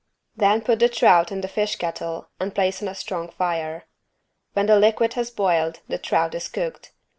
Then put the trout in the fish kettle and place on a strong fire. When the liquid has boiled the trout is cooked.